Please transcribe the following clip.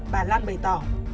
bà lan bày tỏ